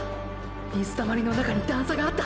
水たまりの中に段差があった！！